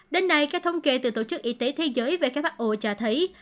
đến nay các thông kê từ tổ chức y tế thế giới về khái mắt ồ chả thấy